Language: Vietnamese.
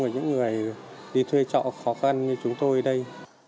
của những người đi thuê trọ khó khăn như chúng tôi đây